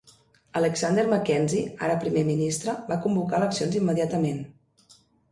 Alexander Mackenzie, ara primer ministre, va convocar eleccions immediatament.